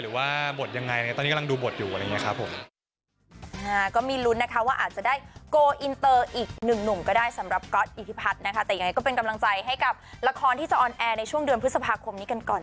หรือว่าบทยังไงตอนนี้กำลังดูบทอยู่อะไรอย่างนี้ครับผม